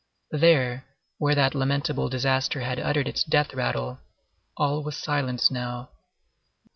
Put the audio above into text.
There, where that lamentable disaster had uttered its death rattle, all was silence now.